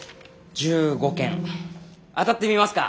１５件当たってみますか？